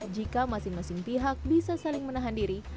jika masing masing pihak bisa saling menahan diri